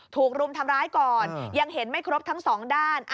รุมทำร้ายก่อนยังเห็นไม่ครบทั้งสองด้าน